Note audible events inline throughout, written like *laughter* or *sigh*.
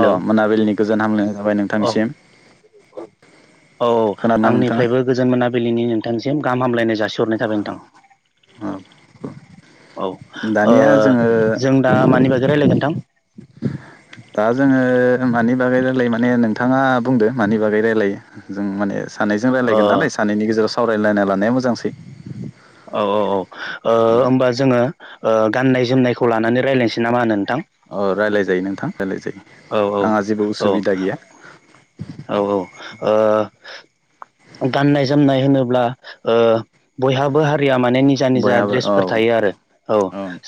अ मोनाबिलिनि गोजोन हामलायनाय थाबाय औ नोंथांनिसिम औ खोनादोंना नोंथाङा आंनिफ्रायबो गोजोन मोनाबिलिनि नोंथांसिम गाम हामलायनाय जासिहरनाय थाबाय नोंथां अ औ ओ दानिया जोङो जों दा मानि बागै रायलायगोन नोंथां? दा जोङो मानि बागै रायलायो माने नोंथाङा बुंदो मानि बागै रायलायो जों माने सानैजों ओ रायलायगोन नालाय सानैनि गेजेराव सावरायलाय लानाया मोजांसै। औ औ ओ होमबा जोङो गाननाय जोमनायखौ लानानै रायज्लायनोसै ना मा होनों? औ रायजलाय जायो नोंथां रायलाय जायो औ आंहा जेबो औ उसुबिदा गैया। औ औ ओ गाननाय -जोमनाय होनोब्ला बयहाबो हा रिया माने निजा निजा बयहाबो औ द्रेसफोर थायो औ आरो औ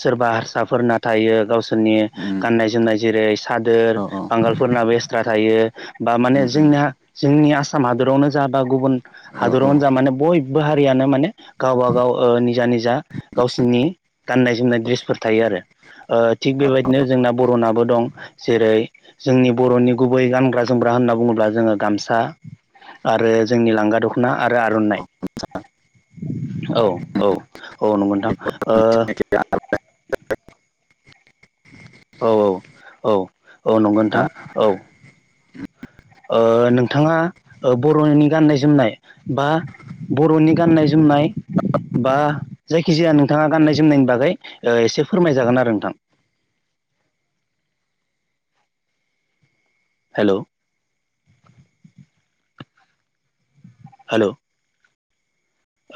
सोरबा हारसाफोरना थायो गावसो फोरनि उम गाननाय जोमनाय जेरै सादोर औ औ बांगालफोरनाबो एक्सट्रा थायो बा माने उम उम जोंनिया जोंनि आसाम हादरावनो जा बा गुबुन औ औ हादरावनो जा माने बयबो हारियानो माने गावबा गाव ओ निजा निजा गावसिनि गान्नाय जोमनाय ड्रेसफोर थायो आरो। ओ थिग बेबायदिनो जोंना बर'नाबो दं। जेरै जोंनि बर'नि गुबै गानग्रा- जोमग्रा होनना बुङो, ब्ला जोङो गामसा आरो जोंनि लांगा दख'ना आरो आर'नाइ। औ औ औ नंगौ नोंथां। *inaudible* औ औ औ औ नंगौ नोंथां औ। ओ नोंथाङा ओ बर'नि गाननाय जोमनाय बा बर'नि गाननाय जोमनाय बा जायखिजाया नोंथाङा गाननाय- जोमनायनि बागै एसे फोरमायजागोन आरो नोंथां, *inaudible* हेलौ। हेलौ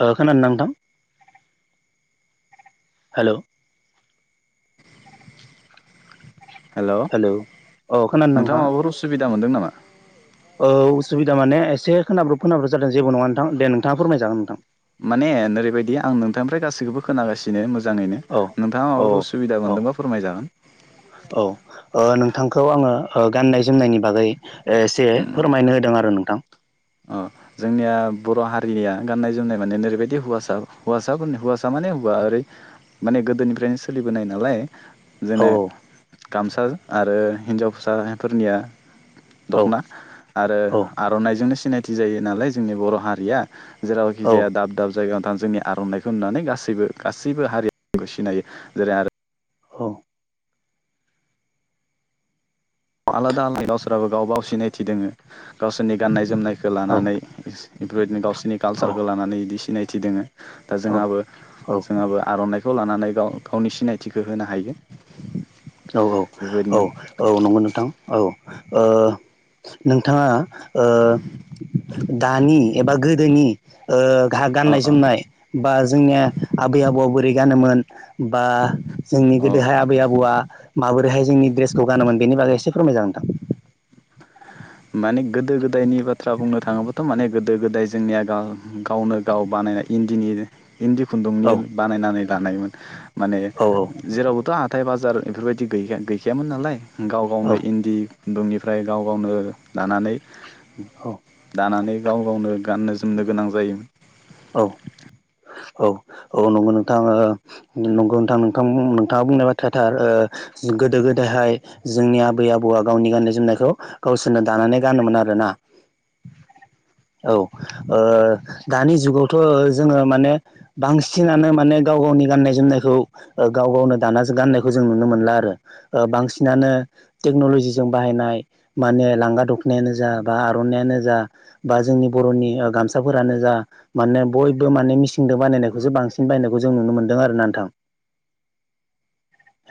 ओ खोनादों ना नोंथां? हेलौ। हेलौ औ खोनादों नोंथाङा माबाफोर उसुबिदा मोनदों नामा? ओ असुबिदा माने एसे खोनाब्रब- खोनाब्रब जादों जेबो नङा नोंथां दे नोंथाङा फोरमायजागोन नोंथां। माने ओरैबायदि आं नोंथांनिफ्राय गासैखौबो खोनागासिनो मोज मोजाङैनो औ नोंथाङा औ माबाफोर उसुबिदा औ मोनदोंबा फोरमायजागोन। औ ओ नोंथांखौ आङो ओ गाननाय जोमनायनि बागै एसे उम फोरमायनो होदों आरो नोंथां। अ जोंनिया बर' हारिनिया गाननाय जोमनाय माने ओरैबायदि हौवासा -हौसाफोरनि -हौवासा माने माने हबा ओरै माने गोदोनिफ्रायनो सोलिबोनाय नालाय औ जोंनिया गामसा आरो हिन्जावसा फोरनिया औ दख'ना आरो औ आर'नाइजोंनो सिनायथि जायो नालाय जोंनि बर' हारिया। जेरावखि जाया दाब दाब जायगायाव थां जोंनि आर'नाइखौ नुनानै गासैबो गासैबो हारिया सिनायो जेरै आरो औ। आलादा- आलादा गावसोराबो गावबा- गाव सिनायथि दोङो। गावसोरनि गाननाय- जोमनायखौ औ लानानै बेफ्रायबायदिनो गावसोरनि औ कालसारखौ लानानै बिदि सिनायथि दोङो। दा जोंहाबो -जोंहाबो आर'नाइ खौ लानानै गाव -गावनि सिनायथिखौ होनो हायो। औ औ औ बेबायदिनो औ नंगौ नोंथां ओ नोंथाङा ओ दानि ओ एबा गोदोनि ओ अ गाननाय अ -जोमनाय बा जोंनिया आबै आबौआ बोरै गानोमोन बा जोंनि अ गोदोहाय आबै आबौआ माबोरैहाय जोंनि ड्रेसखौ गानोमोन बेनि बागै एसे फोरमायजागोन नोंथां। माने गोदो- गोदायनि बाथ्रा बुंनो थाङोब्लााथ' माने गोदो- गोदाय जोंनिया गावनो गाव बा नायनाय इन्दिनि इन्दि खुन्दुंनि औ बानायनानै लानायमोन माने औ जेरावबोथ' हा हाथाय बाजार बेफोरबायदि गैखा- गैखायामोन नालाय गाव गावनो इन्दि दुंनिफ्राय गाव -गावनो दानानै औ औ -दानानै गाव -गावनो गाननो जोमनो गोनां जायो। औ। औ औ नंगौ नोंथां, ओ नंगौ नोंथां नोंथां नोंथाङा बुंनाय बाथ्राया थार गोदो गोदायहाय जोंनि आबै आबौआ गावनि गाननाय जोमनायखौ गावसोरनो दानानै गानोमोन आरोना। *inaudible* औ ओदानि जुगावथ' जोङो माने बांसिनानो माने गाव गावनि गाननाय जोमनायखौ ओ गाव गावनो दानासो गाननायखौ जों नुनो मोनला आरो, ओ बांसिनानो टेकन'लजिजों बाहायनाय माने - लांगा दखनायानो जा बा आर'नाइआनो जा बा जोंनि बर'नि गामसाफोरानो जा। माने बयबो माने मिसिंनजों बानायनायखौसो बांसिन बायनायखौ जों नुनो मोनदों आरोना नोंथां। *inaudible*